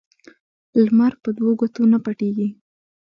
لمر په دو ګوتو نه پټېږي